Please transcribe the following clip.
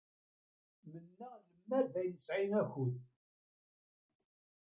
Mennaɣ lemmer d ay nesɛi akud.